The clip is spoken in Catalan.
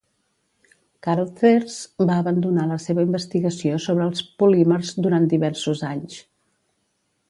Carothers va abandonar la seva investigació sobre els polímers durant diversos anys.